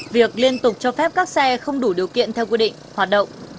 việc liên tục cho phép các xe không đủ điều kiện theo quy định hoạt động